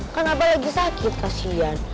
kan abah lagi sakit kasian